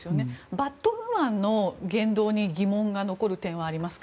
バットウーマンの言動に疑問が残る点はありますか？